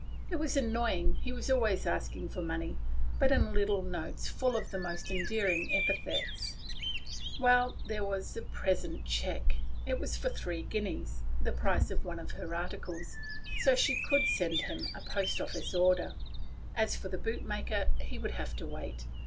It was annoying— he was always asking for money, in little notes full of the most endearing epithets. Well, there was the check from The Fan. It was for three guineas — the price of one/ of her 27* THE STORY OF A MODERN WOMAN. articles — so she could send him a post office order. As for the bootmaker, he would have to wait.